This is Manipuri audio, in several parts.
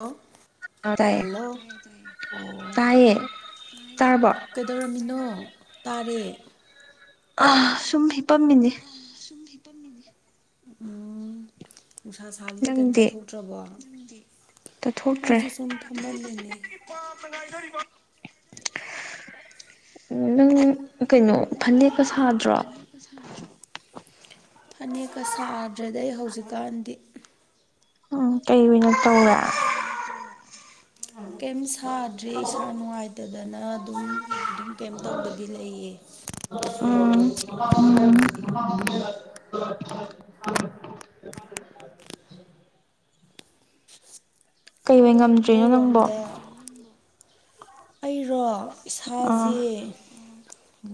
ꯂ ꯑ ꯇꯥꯏꯌꯦ ꯍꯜꯂꯣ ꯑꯣ ꯇꯥꯏꯌꯦ ꯇꯥꯔꯕꯣ ꯀꯩꯗꯧꯔꯝꯃꯤꯅꯣ ꯇꯥꯔꯦ ꯑ ꯁꯨꯝ ꯍꯤꯄꯝꯃꯤꯅꯦ ꯎꯝ ꯅꯨꯡꯁꯥ ꯁꯥꯁꯤꯗ ꯀꯩꯝ ꯅꯪꯗꯤ ꯆꯠꯊꯣꯛꯇ꯭ꯔꯕꯣ ꯑꯩꯁꯨ ꯁꯨꯝ ꯐꯝꯐꯝꯂꯅꯦ ꯄꯥ ꯃꯉꯥꯏꯗꯔꯤ [unintelligible] ꯅꯪ ꯀꯩꯅꯣ ꯐꯅꯦꯛꯀ ꯁꯥꯗ꯭ꯔꯣ ꯁꯥꯗ꯭ꯔꯣ ꯐꯅꯦꯛꯀ ꯁꯥꯗ꯭ꯔꯦꯗ ꯑꯩ ꯍꯧꯖꯤꯛꯀꯥꯟꯗꯤ ꯎꯝ ꯀꯩ ꯑꯣꯏꯅꯣ ꯇꯧꯔꯦ ꯀꯩꯝ ꯁꯥꯗ꯭ꯔꯦ ꯏꯁꯥ ꯅꯨꯡꯉꯥꯏꯇꯗꯅ ꯑꯗꯨꯝ ꯑꯗꯨꯝ ꯀꯩꯝ ꯇꯧꯗꯕꯤ ꯂꯩꯌꯦ ꯎꯝ ꯑ [unintelligible] ꯀꯩ ꯑꯣꯏꯅꯥ ꯉꯝꯗ꯭ꯔꯤꯅꯣ ꯅꯪꯕꯣ ꯅꯣꯏꯔꯣꯝꯗ ꯑꯩꯔꯣ ꯑꯥ ꯏꯁꯥꯁꯦ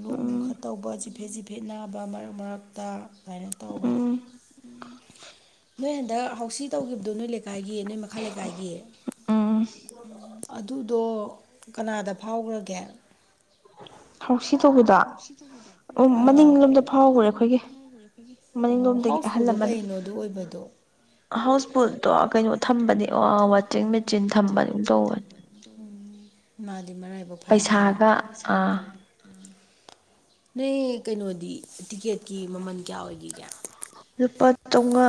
ꯂꯣꯛ ꯅꯨꯡ ꯎꯝ ꯈ ꯇꯧꯕ ꯆꯤꯐꯦ ꯆꯤꯐꯦ ꯐꯤꯠ ꯅꯕ ꯃꯔꯛ ꯃꯔꯛꯇ ꯑꯗꯨꯃꯥꯏꯅ ꯇꯧꯋꯏꯤ ꯎꯝ ꯎ ꯅꯣꯏ ꯍꯟꯗꯛ ꯍꯥꯎꯁꯤ ꯇꯧꯈꯤꯕꯗꯨꯣ ꯅꯣꯏ ꯂꯩꯀꯥꯏꯒꯤ ꯅꯣꯏ ꯃꯈꯥ ꯂꯩꯀꯥꯏꯒꯤ ꯎ ꯎꯝ ꯑꯗꯨꯗꯣ ꯀꯅꯥꯗ ꯐꯥꯎꯈ꯭ꯔꯒꯦ ꯍꯥꯎꯁꯤ ꯇꯧꯕꯤꯗꯣ ꯍꯥꯎꯁꯤ ꯇꯧꯕꯗꯣ ꯎꯝ ꯃꯅꯤꯡꯂꯣꯝꯗ ꯐꯥꯎꯈ꯭ꯔꯦ ꯃꯅꯤꯡꯂꯣꯝꯗ ꯑꯩꯈꯣꯏꯒꯤ ꯐꯥꯎꯈꯔ꯭ꯦ ꯑꯣ ꯃꯅꯤꯡꯂꯣꯝꯗꯒꯤ ꯑꯍꯜ ꯍꯥꯎꯁꯐꯨꯜꯗꯣ ꯑꯃꯅ ꯀꯩꯅꯣ ꯑꯗꯨ ꯑꯣꯏꯕꯗꯣ ꯍꯥꯎꯁ ꯕꯨꯣꯜꯠꯇꯣ ꯀꯩꯅꯣ ꯊꯝꯕꯅꯦ ꯑꯣ ꯋꯥꯆꯤꯡ ꯃꯦꯆꯤꯟ ꯊꯝꯕ ꯑꯗꯨꯝ ꯇꯧꯕꯅꯦ ꯃꯥꯗꯤ ꯃꯔꯥꯏꯕꯛ ꯐꯩꯗ ꯄꯩꯁꯥꯒ ꯑꯥ ꯅꯣꯏ ꯀꯩꯅꯣꯗꯤ ꯇꯤꯛꯀꯦꯠꯀꯤ ꯃꯃꯜ ꯀꯌꯥ ꯑꯣꯏꯈꯤꯒꯦ ꯂꯨꯄꯥ ꯆꯧꯉꯥ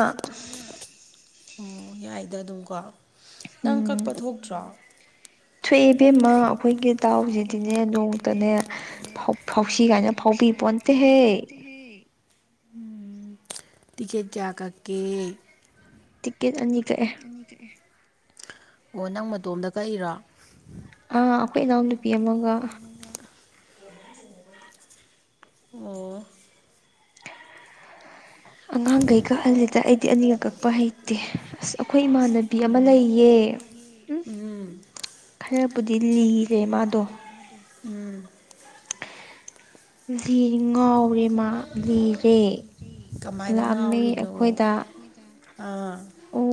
ꯑꯣ ꯌꯥꯏꯗ ꯑꯗꯨꯝꯀꯣ ꯅꯪ ꯎꯝ ꯀꯛꯄ ꯊꯣꯛꯇ꯭ꯔꯣ ꯊꯣꯛꯑꯦ ꯏꯕꯦꯝꯃ ꯈꯣꯏ ꯏꯕꯦꯝꯃꯥ ꯑꯩꯈꯣꯏꯒꯤ ꯑꯩꯈꯣꯏꯒꯤ ꯗꯥꯎꯁꯤꯗꯤꯅꯦ ꯗꯥꯎꯖꯤꯗꯤꯅꯦ ꯅꯣꯡꯇꯅꯦ ꯅꯣꯡꯃꯇꯅꯦ ꯐꯥꯎꯁꯤ ꯐꯥ ꯀꯥꯏꯅ ꯐꯥꯎꯁꯤ ꯐꯥꯎꯕꯤ ꯀꯥꯏꯅ ꯄꯣꯟꯇꯦꯍꯦ ꯐꯥꯎꯕꯤꯄꯣꯟꯇꯦꯍꯦ ꯇꯤꯀꯦꯠ ꯀꯌꯥ ꯀꯛꯀꯦ ꯇꯤꯛꯀꯦꯠ ꯑꯅꯤ ꯀꯛꯑꯦ [unintelligible] ꯑꯣ ꯅꯪ ꯃꯇꯣꯝꯗ ꯀꯛꯏꯔꯣ ꯑꯥ ꯑꯈꯣꯏ ꯏꯅꯥꯎ ꯅꯨꯄꯤ ꯑꯃꯒ ꯑꯣ ꯑꯉꯥꯡꯒꯩ ꯀꯛꯍꯜꯂꯤꯗ ꯑꯩꯗꯤ ꯑꯅꯤꯒ ꯀꯛꯄ ꯍꯩꯇꯦ ꯑꯁ ꯑꯈꯣꯏ ꯏꯃꯥꯟꯅꯕꯤ ꯑꯃ ꯂꯩꯌꯦ ꯎꯝ ꯈꯔꯕꯨꯗꯤ ꯂꯤꯔꯦ ꯃꯥꯗꯣ ꯎꯝ ꯂꯤ ꯉꯥꯎꯔꯦ ꯃꯥ ꯂꯤꯔꯦ ꯀꯃꯥꯏꯅ ꯂꯥꯛꯑꯝꯃꯦ ꯉꯥꯎꯔꯤꯅꯣ ꯑꯈꯣꯏꯗ ꯑꯥ ꯑꯣ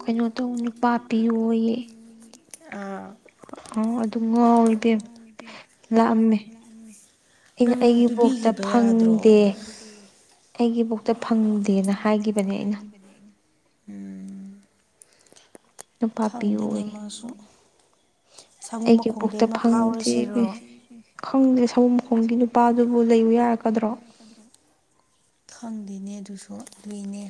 ꯀꯩꯅꯣ ꯇꯧ ꯅꯨꯄꯥ ꯄꯤꯌꯣꯌꯦ ꯑꯥ ꯑꯣ ꯑꯗꯨ ꯉꯥꯎꯋꯤ ꯏꯕꯦꯝ ꯂꯥꯛꯑꯝꯃꯦ ꯑꯩꯅ ꯅꯪ ꯑꯩꯒꯤ ꯕꯣꯛꯇ ꯄꯤꯕꯤꯈꯤꯕ ꯌꯥꯗ꯭ꯔꯣ ꯐꯪꯗꯦ ꯑꯩꯒꯤꯕꯨꯛꯇ ꯐꯪꯗꯦꯅ ꯍꯥꯏꯒꯤꯕꯅꯦ ꯑꯩꯅ ꯕꯅꯦ ꯑꯩꯅ ꯅꯨꯄꯥ ꯄꯤꯌꯣꯌꯦ ꯃꯁꯨ ꯑꯩꯒꯤ ꯕꯨꯛꯇ ꯐꯪꯗꯦꯕꯤ ꯐꯥꯎꯔꯁꯤꯔꯣ ꯈꯪꯗꯦ ꯁꯃꯨ ꯃꯈꯣꯡꯒꯤ ꯅꯨꯄꯥꯗꯨꯕꯨ ꯂꯩꯌꯨ ꯌꯥꯔꯛꯀꯗ꯭ꯔꯣ [unintelligible] ꯈꯪꯗꯦꯅꯦ ꯑꯗꯨꯁꯨ ꯂꯨꯏꯅꯦ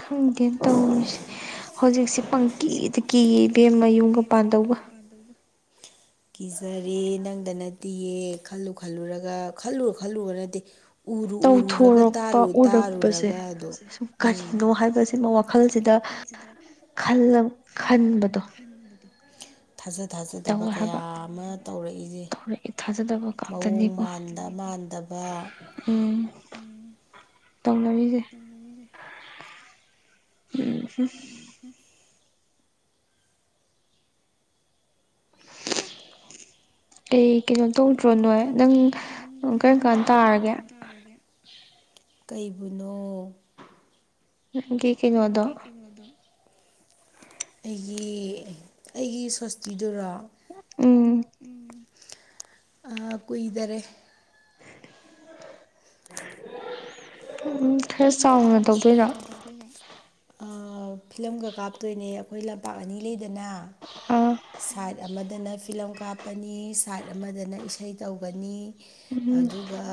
ꯈꯪꯗꯦꯅꯦ ꯇꯧꯔꯤꯁꯦ ꯍꯧꯖꯤꯛꯁꯦ ꯄꯪꯀꯤꯗ ꯀꯤ ꯏꯕꯦꯝꯃ ꯌꯨꯝꯒ ꯄꯥꯟꯗꯧꯕ ꯀꯤꯖꯔꯦ ꯅꯪꯗ ꯅꯠꯇꯤꯌꯦ ꯈꯜꯂꯨ ꯈꯜꯂꯨꯔꯒ ꯈꯜꯂꯨꯔ ꯈꯜꯂꯨꯔꯒ ꯅꯠꯇꯦ ꯎꯔꯨ ꯎꯔꯨꯔꯒ ꯇꯧꯊꯣꯔꯛꯄ ꯇꯥꯔꯨ ꯎꯔꯛꯄꯁꯦ ꯇꯥꯔꯨꯔꯒꯗꯣ ꯁꯨꯝ ꯎꯝ ꯀꯔꯤꯅꯣ ꯁꯤꯗꯥ ꯈꯜꯂꯝ ꯈꯟꯕꯗꯣ ꯊꯥꯖ ꯊꯥꯖꯗꯕ ꯇꯧꯋꯦ ꯀꯌꯥ ꯍꯥꯏꯕ ꯑꯃ ꯇꯧꯔꯛꯏꯖꯦ ꯇꯧꯔꯛꯑꯦ ꯊꯥꯖꯗꯕ ꯃꯑꯣꯡ ꯉꯥꯛꯇꯅꯤꯀꯣ ꯃꯥꯟꯗ ꯃꯥꯟꯗꯕ ꯎꯝ ꯇꯧꯅꯔꯤꯖꯦ ꯎꯝ [inaudible] ꯀꯩ ꯀꯩꯅꯣ ꯇꯧꯗ꯭ꯔꯣ ꯅꯣꯏ ꯅꯪ ꯑ ꯀꯔꯝ ꯀꯥꯟ ꯇꯥꯔꯒꯦ ꯀꯩꯕꯨꯅꯣ ꯅꯡꯒꯤ ꯅꯡꯒꯤ ꯀꯦꯅꯣꯗꯣ ꯑꯩꯒꯤ ꯑꯩꯒꯤ ꯁꯣꯁꯇꯤꯗꯨꯔꯣ ꯎꯝ ꯎꯝ ꯑꯥ ꯀꯨꯏꯗꯔꯦ ꯎꯝ ꯈꯔ ꯑꯥ ꯆꯥꯎꯅ ꯈꯔ ꯇꯧꯗꯣꯏꯔꯣ ꯆꯥꯎꯅ ꯇꯧꯗꯣꯏꯔꯣ ꯑꯥ ꯐꯤꯂꯝꯒ ꯀꯥꯞꯇꯣꯏꯅꯦ ꯃꯣꯏ ꯂꯝꯄꯥꯛ ꯑꯅꯤ ꯂꯩꯗꯅ ꯎꯝ ꯁꯥꯏꯠ ꯑꯃꯗꯅ ꯐꯤꯂꯝ ꯀꯥꯞꯄꯅꯤ ꯁꯥꯏꯠ ꯑꯃꯗꯅ ꯏꯁꯩ ꯇꯧꯒꯅꯤ ꯎꯝ ꯑꯗꯨꯒ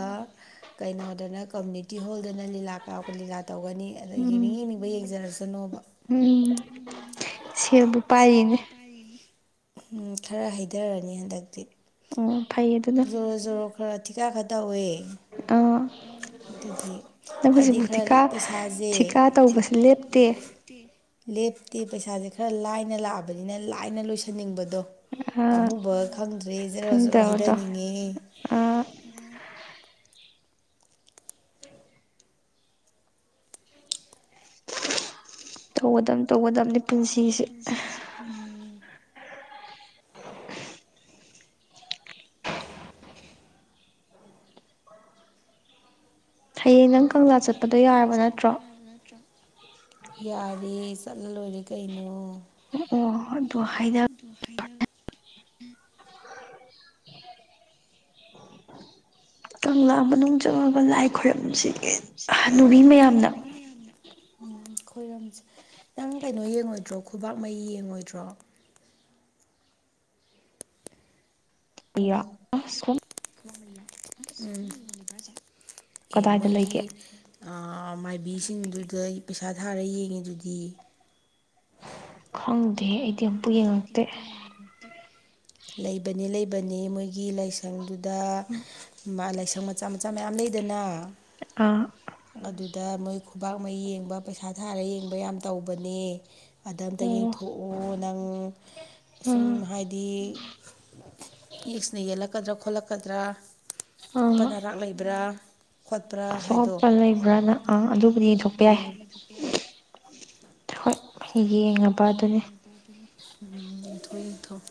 ꯀꯩꯅꯣꯗꯅ ꯀꯝꯃꯨꯅꯤꯇꯤ ꯍꯣꯜꯗꯅ ꯂꯤꯂꯥ ꯀꯥꯎꯒ ꯂꯤꯂꯥ ꯇꯧꯒꯅꯤ ꯑꯗꯥ ꯌꯦꯡꯅꯤꯡ ꯎꯝ ꯌꯦꯡꯅꯤꯡꯕ ꯌꯦꯡꯖꯔꯁꯅꯣꯕ ꯎꯝ ꯁꯦꯜꯕꯨ ꯄꯥꯏꯔꯤꯅꯦ ꯎꯝ ꯈꯔ ꯍꯩꯗꯔꯅꯤ ꯍꯟꯗꯛꯇꯤ ꯑꯣ ꯐꯩ ꯑꯗꯨꯅ ꯖꯣꯔꯣ ꯖꯣꯔꯣ ꯑ ꯊꯤꯀꯥ ꯈꯥ ꯇꯧꯋꯦ ꯑꯣ ꯑꯗꯨꯒꯤ ꯍꯥꯏꯗꯤ ꯈꯔ ꯄꯩꯁꯥꯖꯦ ꯊꯤꯀꯥ ꯊꯤꯛ ꯇꯧꯕꯁꯦ ꯂꯦꯞꯇꯦ ꯂꯦꯞꯇꯦ ꯄꯩꯁꯥꯖꯦ ꯈꯔ ꯂꯥꯏꯅ ꯂꯥꯛꯑꯕꯅꯤꯅ ꯂꯥꯏꯅ ꯂꯣꯏꯁꯟꯅꯤꯡꯕꯗꯣ ꯑꯥ ꯄꯥꯝꯃꯨꯕꯒ ꯈꯪꯗ꯭ꯔꯦ ꯖꯦꯔꯣ ꯖꯦꯔꯣ ꯍꯩꯗꯅꯤꯡꯉꯦ ꯎꯝ ꯇꯧꯒꯗꯝꯅꯤ ꯇꯧꯒꯗꯝꯅꯤ ꯗꯝꯅꯤ ꯄꯨꯟꯁꯤꯁꯦ ꯄꯨꯟꯁꯤꯁꯤ ꯎꯝ [unintelligible] ꯍꯌꯦ ꯅꯪ ꯀꯪꯂꯥ ꯍꯌꯦꯡ ꯅꯪ ꯆꯠꯄꯗꯣ ꯀꯪꯂꯥ ꯌꯥꯔꯕ ꯆꯠꯄꯗꯣ ꯅꯠꯇ꯭ꯔꯣ ꯌꯥꯔꯕꯔꯥ ꯅꯠꯇ꯭ꯔꯣ ꯌꯥꯔꯦ ꯆꯠꯂꯥ ꯂꯣꯏꯔꯦ ꯀꯩꯅꯣ ꯑꯣ ꯑꯣ ꯑꯗꯨ ꯍꯥꯏꯅ ꯑꯗꯨ ꯍꯥꯏꯅ ꯀꯪꯂꯥ ꯃꯅꯨꯡ ꯆꯪꯉꯥꯒ ꯂꯥꯏ ꯈꯣꯏꯔꯝꯁꯤꯗꯤꯠ ꯍꯟꯅꯨꯕꯤ ꯃꯌꯥꯝꯅ ꯎꯝ ꯈꯣꯏꯔꯝꯁꯦ ꯅꯪ ꯀꯩꯅꯣ ꯌꯦꯡꯉꯣꯏꯗ꯭ꯔꯣ ꯈꯨꯕꯥꯛ ꯃꯩꯌꯤ ꯌꯦꯡꯉꯣꯏꯗ꯭ꯔꯣ [unintelligible] ꯎꯝ ꯑꯦ ꯀꯗꯥꯏꯗ ꯃꯣꯏꯒꯤ ꯂꯩꯒꯦ ꯑ ꯃꯥꯏꯕꯤꯁꯤꯡꯗꯨꯗ ꯄꯩꯁꯥ ꯊꯥꯔ ꯌꯦꯡꯉꯤꯗꯨꯗꯤ ꯈꯪꯗꯦꯍꯦ ꯑꯩꯗꯤ ꯑꯝꯄꯨ ꯌꯦꯡꯉꯛꯇꯦ ꯂꯩꯕꯅꯦ ꯂꯩꯕꯅꯦ ꯃꯣꯏꯒꯤ ꯂꯥꯏꯁꯪꯗꯨꯗ ꯃꯥ ꯂꯥꯏꯁꯪ ꯃꯆꯥ ꯃꯆꯥ ꯃꯌꯥꯝ ꯂꯩꯗꯅ ꯑꯥ ꯑꯗꯨꯗ ꯃꯣꯏ ꯈꯨꯕꯥꯛ ꯃꯩꯌꯤ ꯌꯦꯡꯕ ꯄꯩꯁꯥ ꯊꯥꯔ ꯌꯦꯡꯕ ꯌꯥꯝ ꯇꯧꯕꯅꯦ ꯑꯗꯥ ꯑꯝꯇ ꯑꯣ ꯌꯦꯡꯊꯣꯛꯑꯣ ꯅꯪ ꯁꯨꯝ ꯎꯝ ꯍꯥꯏꯗꯤ ꯑꯦꯛꯁꯅꯥ ꯌꯦꯂꯛ ꯀꯗ꯭ꯔꯥ ꯈꯣꯠꯂꯛꯀꯗ꯭ꯔꯥ ꯑꯄꯟ ꯑꯥ ꯑꯔꯥꯛ ꯂꯩꯕ꯭ꯔꯥ ꯈꯣꯠꯄ꯭ꯔꯥ ꯍꯥꯏꯗꯣ ꯕ꯭ꯔꯥꯅ ꯑꯥ ꯑꯗꯨꯕꯨꯗꯤ ꯌꯦꯡꯊꯣꯛꯄ ꯌꯥꯏ ꯍꯣꯏ ꯌꯦꯡꯉ ꯕꯥꯗꯨꯅꯤ ꯌꯦꯡꯊꯣꯛ ꯌꯦꯡꯊꯣꯛ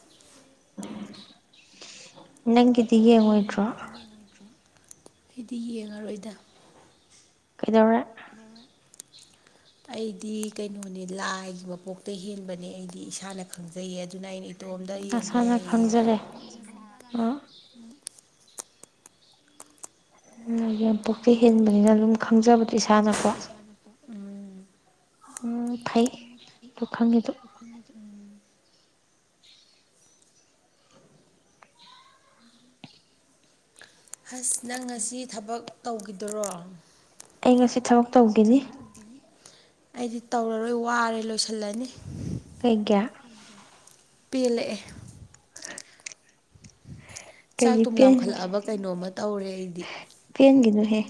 ꯅꯪꯒꯤꯗꯤ ꯌꯦꯡꯉꯣꯏꯗ꯭ꯔꯣ ꯑꯩꯗꯤ ꯌꯦꯡꯉꯔꯣꯏꯗ ꯀꯩꯗꯧꯔꯦ [unintelligible] [inaudible] ꯑꯩꯗꯤ ꯀꯩꯅꯣꯅꯦ ꯂꯥꯏꯒꯤ ꯃꯄꯣꯛꯇ ꯍꯤꯡꯕꯅꯦ ꯑꯩꯗꯤ ꯏꯁꯥꯅ ꯈꯪꯖꯩꯌꯦ ꯑꯗꯨꯅ ꯑꯩꯅ ꯏꯇꯣꯝꯗ ꯌꯦꯡꯕ ꯅꯁꯥꯅ ꯌꯥꯏꯌꯦ ꯈꯪꯖꯔꯦ ꯑꯣ ꯑꯗꯨꯅ ꯌꯥꯝ ꯄꯣꯛꯆꯩ ꯍꯦꯟꯕꯅꯤꯅ ꯑꯗꯨꯝ ꯈꯪꯖꯕꯗꯣ ꯏꯁꯥꯅꯀꯣ ꯎꯝ꯫ ꯎꯝ ꯐꯩ ꯑꯗꯨ ꯈꯪꯉꯤꯗꯨ꯫ [inaudible] [inaudible] ꯑꯁ ꯅꯪ ꯉꯁꯤ ꯊꯕꯛ ꯇꯧꯒꯤꯗꯣꯔꯣ꯫ ꯑꯩ ꯉꯁꯤ ꯊꯕꯛ ꯇꯧꯒꯅꯤ꯫ ꯑꯩꯗꯤ ꯇꯧꯔꯔꯣꯏ ꯋꯥꯔꯦ ꯂꯣꯏꯁꯜꯂꯅꯤ꯫ ꯀꯩꯒꯤ꯫ ꯄꯦꯜꯂꯛꯑꯦ꯫ ꯆꯥꯛ ꯀꯩꯒꯤ ꯊꯨꯝ ꯄꯦꯟꯒꯦ ꯂꯥꯝꯈꯠꯂꯛꯑꯕ ꯀꯩꯅꯣ ꯑꯃ ꯇꯧꯔꯦ ꯑꯩꯗꯤ꯫ ꯄꯦꯟꯒꯤꯗꯅꯨꯍꯦ꯫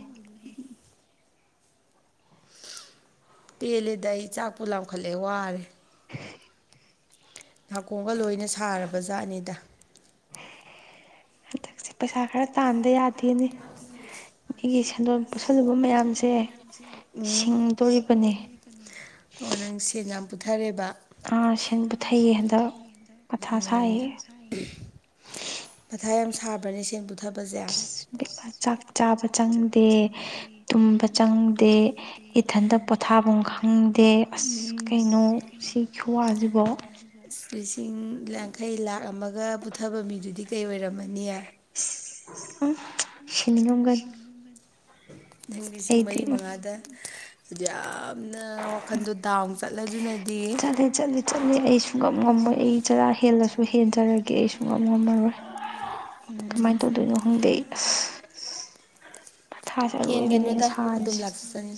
ꯄꯦꯜꯂꯦꯗ ꯑꯩ ꯆꯥꯛꯄꯨ ꯂꯥꯝꯈꯠꯂꯛꯑꯦ ꯋꯥꯔꯦ꯫ [inaudible] ꯅꯥꯀꯣꯡꯒ ꯂꯣꯏꯅ ꯁꯥꯔꯕ ꯖꯥꯠꯅꯤꯗ꯫ ꯍꯟꯗꯛꯁꯦ ꯄꯩꯁꯥ ꯈꯔ ꯇꯥꯟꯗ ꯌꯥꯗꯦꯅꯤ ꯃꯤꯒꯤ ꯁꯦꯟꯗꯣꯟ ꯄꯨꯠꯁꯜꯂꯨꯕ ꯃꯌꯥꯝꯁꯦ ꯎꯝ ꯁꯤꯡꯗꯣꯔꯤꯕꯅꯦ꯫ ꯑꯣ ꯅꯪ ꯁꯦꯟ ꯌꯥꯝ ꯄꯨꯊꯔꯦꯕ꯫ ꯀꯥꯔ ꯁꯦꯟ ꯄꯨꯊꯩꯌꯦ ꯍꯟꯗꯛ ꯃꯊꯥ ꯁꯥꯏꯌꯦ꯫ ꯥ [unintelligible] ꯃꯊꯥ ꯌꯥꯝ ꯁꯥꯕ꯭ꯔꯅꯦ ꯁꯦꯟ ꯄꯨꯊꯕꯁꯦ꯫ ꯏꯕꯦꯃ ꯆꯥꯛ ꯆꯥꯕ ꯆꯪꯗꯦ ꯇꯨꯝꯕ ꯆꯪꯗꯦ꯫ ꯏꯊꯟꯇ ꯄꯣꯊꯥꯐꯝ ꯈꯪꯗꯦ ꯑꯁ ꯀꯩꯅꯣ ꯁꯤ ꯈꯨꯋꯥꯁꯤꯕꯣ꯫ ꯑꯁ ꯂꯤꯁꯤꯡ ꯌꯥꯡꯈꯩ ꯂꯥꯛ ꯑꯃꯒ ꯄꯨꯊꯕ ꯃꯤꯗꯨꯗꯤ ꯀꯩ ꯑꯣꯏꯔꯝꯃꯅꯤ꯫ ꯁꯤꯅꯤꯉꯝꯒꯅꯤ꯫ ꯅꯪ ꯂꯤꯁꯤꯡ ꯃꯔꯤ ꯃꯉꯥꯗ ꯑꯗꯨ ꯌꯥꯝꯅ ꯋꯥꯈꯟꯗꯣ ꯗꯥꯎꯟ ꯆꯠꯂꯗꯨꯅ ꯆꯠꯂꯦ ꯆꯠꯂꯦ ꯆꯠꯂꯤ ꯑꯩ ꯁꯨꯨꯡ ꯉꯝ ꯉꯝꯃꯣꯏ ꯑꯩ ꯆꯔꯥ ꯍꯦꯜꯂꯁꯨ ꯍꯦꯟꯖꯔꯒꯦ ꯑꯩꯁꯨ ꯉꯝ ꯉꯝꯃꯔꯣꯏ ꯀꯃꯥꯏꯅ ꯇꯧꯗꯣꯏꯅꯣ ꯈꯪꯗꯦ ꯑꯩ ꯑꯁ꯫ ꯃꯊꯥꯁꯦ ꯑꯔꯣꯏꯕꯤꯅꯦ ꯑꯩꯅ ꯍꯦꯟꯒꯅꯨꯗ ꯑꯗꯨꯝ ꯁꯥꯔꯤꯁꯦ ꯂꯥꯛꯆꯁꯅꯤ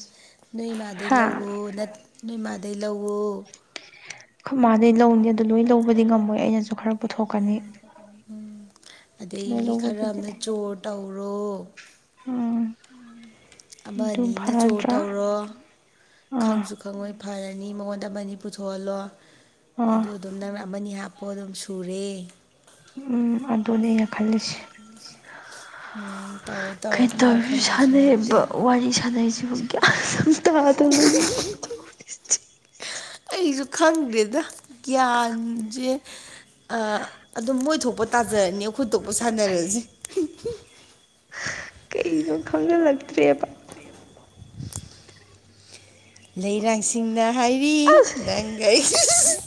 ꯅꯣꯏ ꯏꯃꯥꯗꯩ ꯍꯥ ꯂꯧꯋꫭ ꯅꯠ ꯅꯣꯏ ꯃꯥꯗꯩ ꯂꯧꯋꫭ꯫ ꯈꫭꯏ ꯃꯥꯗꯩ ꯂꯧꯅꯤ ꯑꯗꯨ ꯂꯣꯏ ꯂꯧꯕꯗꯤ ꯉꯝꯃꯣꯏ ꯑꯩꯅꯁꯨ ꯈꯔ ꯄꯨꯊꯣꯛꯀꯅꯤ꯫ ꯂꯣꯏ ꯑꯗꯒꯤ ꯈꯔ ꯂꯧꯕꯗꯨꯗꯤ ꯑꯃꯅ ꯆꯣꯔ ꯇꯧꯔꯣ꯫ [unintelligible] ꯑꯃ ꯑꯗꯨ ꯑꯅꯤꯅ ꯆꯣꯔ ꯐꯔꯗ꯭ꯔꯥ ꯇꯧꯔꯣ ꯑꯥ ꯈꯪꯁꯨ ꯈꯪꯉꯣꯏ ꯐꯔꯅꯤ ꯃꯉꯣꯟꯗ ꯃꯅꯤ ꯄꯨꯊꯣꯛꯍꯜꯂꯣ꯫ ꯑꯗꯨ ꯑꯣ꯫ ꯑꯗꯨꯝ ꯅꯪꯅ ꯑꯃꯅꯤ ꯍꯥꯞꯄꫭ ꯑꯗꯨꯝ ꯁꯨꯔꯦ꯫ ꯎꯝ ꯑꯗꯨꯅꯦ ꯑꯩꯅ ꯈꯜꯂꯤꯁꯦ꯫ ꯎꯝ ꯇꯧꯔꯣ ꯇꯧꯔꯣ ꯀꯩ ꯃꯥ ꯇꯧꯔꯤ ꯈꯪꯗꯧꯁꯨ ꯁꯥꯟꯅꯩꯕ ꯅꯠꯇꯦ ꯋꯥꯔꯤ ꯁꯥꯟꯅꯩꯁꯤꯕꯨ꯫ [inaudible] ꯑꯩꯁꯨ ꯈꯪꯗꯦꯗ ꯒ꯭ꯌꯥꯟꯁꯦ ꯑꯥ ꯑꯗꯨꯝ ꯃꯣꯏ ꯊꯣꯛꯄ ꯇꯥꯖꯔꯅꯤ ꯑꯩꯈꫭꯏ ꯊꯣꯛꯄ ꯁꯥꯟꯅꯔꯁꯤ꯫ ꯀꯅꯣ ꯈꯪꯖꯤꯜꯂꯛꯇ꯭ꯔꯦꯕ꯫ [unintelligible] [unintelligible]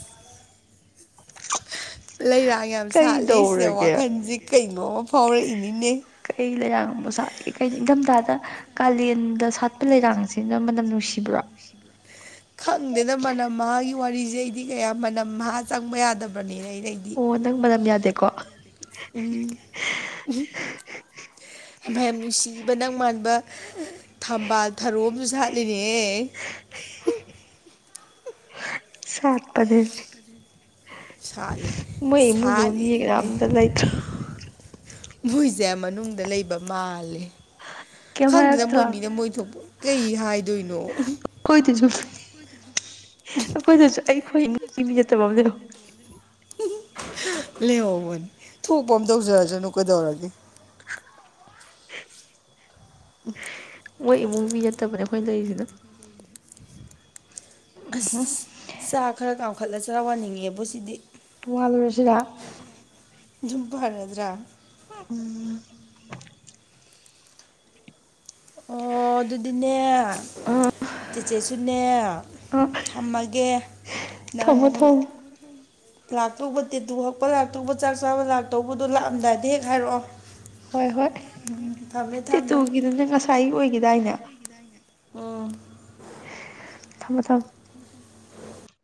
ꯂꯩꯔꯥꯡ ꯌꯥꯝ ꯁꯥꯠꯂꯤ ꯁꯤꯗ ꯀꯩꯗꯧꯔꯒꯦ ꯋꯥꯈꯟꯁꯤ ꯀꯩꯅꯣꯃ ꯐꯥꯎꯔꯛꯏꯅꯤꯅꯦ꯫ ꯀꯩ ꯂꯩꯌꯥꯡ ꯏꯟꯅꯤꯡꯊꯝꯊꯥꯗ ꯀꯥꯂꯦꯟꯗ ꯁꯥꯠꯄ ꯂꯩꯔꯥꯡꯁꯤꯅ ꯃꯅꯝ ꯅꯨꯡꯁꯤꯕ꯭ꯔꯥ ꯈꯪꯗꯦꯗ ꯃꯅꯝ ꯃꯍꯥꯒꯤ ꯋꯥꯔꯤꯁꯦ ꯑꯩꯗꯤ ꯀꯌꯥ ꯃꯅꯝ ꯃꯍꯥ ꯆꯪꯕ ꯌꯥꯗꯕꯅꯦ ꯑꯩꯩꯅꯩꯗꯤ ꯑꯣ ꯅꯪ ꯃꯅꯝ ꯌꯥꯗꯦꯀꯣ ꯎꯝ ꯍꯥꯏꯃ ꯌꯥꯝ ꯅꯨꯡꯁꯤꯕ ꯅꯪ ꯃꯥꯟꯕ ꯊꯝꯕꯥꯜ ꯊꯔꯣ ꯑꯝꯁꯨ ꯁꯥꯠꯂꯤꯅꯦꯍꯦ ꯁꯥꯠꯄꯅꯦ ꯁꯥꯠꯂꯤ ꯃꯣꯏ ꯏꯃꯨꯡꯗꯣ ꯃꯤ ꯁꯥꯠꯂꯤ ꯀꯅꯥꯝꯇ ꯂꯩꯇ꯭ꯔꯣ ꯃꯣꯏꯁꯦ ꯃꯅꯨꯡꯗ ꯂꯩꯕ ꯃꯥꯜꯂꯦ ꯀꯩꯝ ꯈꯪꯗꯦꯗ ꯃꯣꯏ ꯍꯥꯏꯔꯛꯇ꯭ꯔꯣ ꯃꯤꯅ ꯃꯣꯏ ꯊꯣꯛꯄ ꯀꯩ ꯍꯥꯏꯗꯣꯏꯅꯣ ꯈꯣꯏꯗꯁꯨ ꯑꯩꯈꯣꯏꯗꯁꯨ ꯑꯩꯈꯣꯏ ꯃꯤ ꯅꯠꯇꯕ ꯑꯃ ꯂꯩꯍꯧ ꯂꯦꯍꯧꯕꯅꯤ ꯊꯣꯛꯄ ꯑꯝ ꯇꯧꯖꯔꯖꯥꯅꯨ ꯀꯩꯗꯧꯔꯒꯦ ꯃꯣꯏ ꯏꯃꯨꯡꯃꯤ ꯅꯠꯇꯕꯅꯦ ꯑꯩꯈꯣꯏꯅ ꯂꯩꯔꯤꯁꯤꯅ ꯎ ꯆꯥ ꯈꯔ ꯀꯥꯝꯈꯠꯂ ꯆꯔ ꯋꯥꯅꯤꯡꯉꯦꯕꯨ ꯁꯤꯗꯤ ꯄꯣꯑꯥꯜꯂꯨꯔꯥꯁꯤꯔ ꯑꯗꯨꯨꯝ ꯐꯥꯔꯗ꯭ꯔꯥ ꯎꯝ ꯑꯣ ꯑꯗꯨꯗꯤꯅꯦ ꯆꯦꯆꯦꯁꯨꯅꯦ ꯑ ꯊꯝꯃꯒꯦ ꯅꯪ ꯊꯝꯃꯣ ꯊꯝꯃꯣ ꯊꯝꯃꯨ ꯊꯥꯝꯃꯨ ꯂꯥꯛꯇꯧꯕ ꯇꯦꯇꯨ ꯍꯛꯄ ꯂꯥꯛꯇꯧꯕ ꯆꯥꯛ ꯆꯥꯕ ꯂꯥꯛꯇꯧꯕꯗꯣ ꯂꯥꯛꯑꯝꯗꯥꯏꯗ ꯍꯦꯛ ꯍꯥꯏꯔꯛꯑꯣ ꯍꯣꯏ ꯍꯣꯏ ꯎꯝ ꯊꯝꯃꯦ ꯇꯦꯇꯨꯒꯤꯗꯨꯅꯦ ꯉꯁꯥꯏ ꯑꯣꯏꯒꯤꯗꯥꯏꯅꯦ ꯒꯤꯗꯥꯏꯅꯦ ꯑꯣꯝ ꯊꯝꯃꯣ ꯊꯝ [unintelligible] [inaudible]